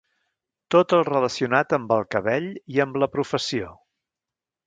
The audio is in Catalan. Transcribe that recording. Tot el relacionat amb el cabell i amb la professió.